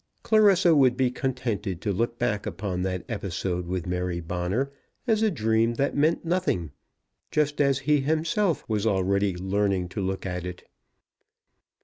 Clarissa would be contented to look back upon that episode with Mary Bonner, as a dream that meant nothing; just as he himself was already learning to look at it.